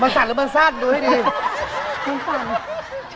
มันสัดหรือมันสั้นดูให้ดี